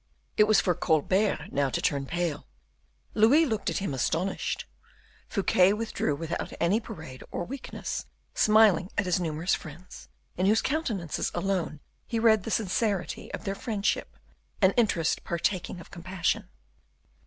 It was for Colbert now to turn pale. Louis looked at him astonished. Fouquet withdrew without any parade or weakness, smiling at his numerous friends, in whose countenances alone he read the sincerity of their friendship an interest partaking of compassion.